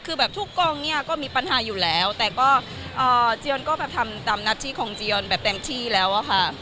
คือแบบทุกกองเนี่ยก็มีปัญหาอยู่แล้วแต่ก็เจียนก็แบบทำตามหน้าที่ของเจียอนแบบเต็มที่แล้วอะค่ะ